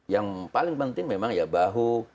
yang paling penting memang ya bahu